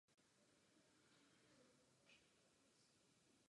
Při návratu po čtyřech letech není již zaměstnavatel povinen místo držet.